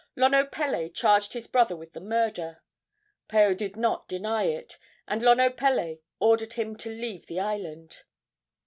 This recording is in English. Lonopele charged his brother with the murder. Paao did not deny it, and Lonopele ordered him to leave the island.